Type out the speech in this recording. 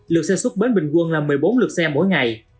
lượt xe xuất bến bình quân là một mươi bốn lượt xe mỗi ngày